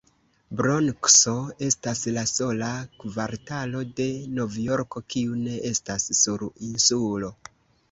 Bronkso estas la sola kvartalo de Novjorko, kiu ne estas sur insulo.